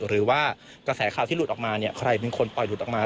หรือว่ากระแสข่าวที่หลุดออกมาเนี่ยใครเป็นคนปล่อยหลุดออกมา